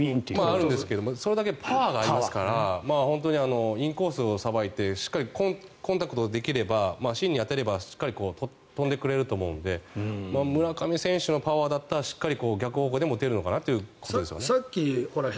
あるんですがそれだけパワーがありますからインコースをさばいてしっかりコンタクトできれば芯に当たればしっかり飛んでくれると思うので村上選手のパワーだったらしっかり逆方向でも打てるのかなと。